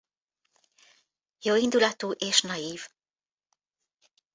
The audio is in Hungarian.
Jóindulatú és naiv.